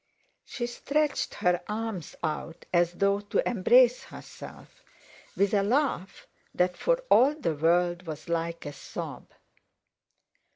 She stretched her arms out as though to embrace herself, with a laugh that for all the world was like a sob.